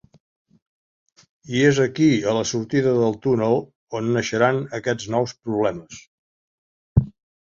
I és aquí, a la sortida del túnel, on naixeran aquests nous problemes.